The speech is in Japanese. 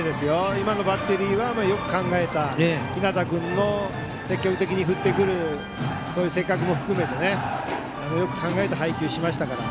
今のバッテリーはよく考えた日當君の積極的に振ってくる性格も含めてよく考えて配球をしました。